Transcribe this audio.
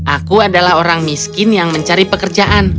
aku adalah orang miskin yang mencari pekerjaan